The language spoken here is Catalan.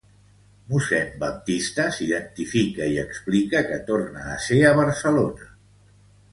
Mossèn Baptista s'identifica i explica que torna a ser a Barcelona.